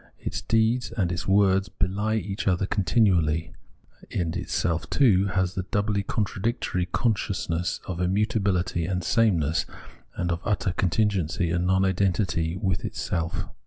Its deeds and its words behe each other continually ; and itself, too, has the doubly contradictory consciousness of immutabihty and sameness, and of utter contingency and non identity with itself.